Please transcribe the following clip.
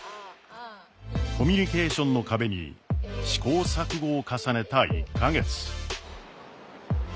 コミュニケーションの壁に試行錯誤を重ねた１か月。